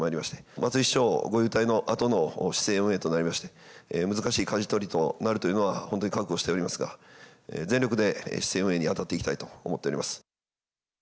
松井市長ご勇退のあとの市政運営となりまして、難しいかじ取りとなるというのは、本当に覚悟しておりますが、全力で市政運営に当たっていきたいと思っております。